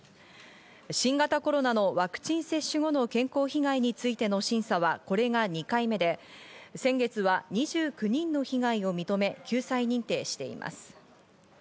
新型コロナのワクチン接種後の健康被害についての審査はこれが２回目で先月は２９人の被害を認め救済認定しています。